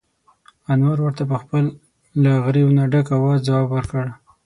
انور ورته په خپل له غريو نه ډک اواز ځواب ور کړ: